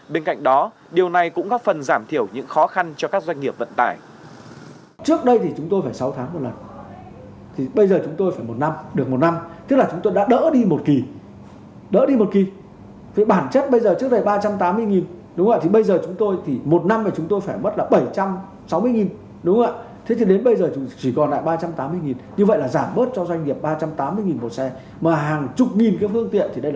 bên cạnh đó điều này cũng góp phần giảm thiểu những khó khăn cho các doanh nghiệp vận tải